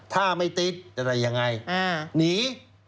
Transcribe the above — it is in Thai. ถ้าไม่ติดอะไรยังไงหนี